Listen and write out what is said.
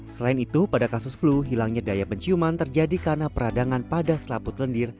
selain itu pada kasus flu hilangnya daya penciuman terjadi karena peradangan pada selaput lendir